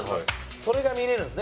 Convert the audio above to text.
それが見れるんですね